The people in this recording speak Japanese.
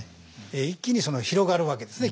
一気に広がるわけですね。